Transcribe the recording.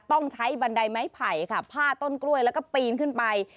ต้องใช้บันไดไม้ไผ่ค่ะผ้าต้นกล้วยแล้วก็ปีนขึ้นไป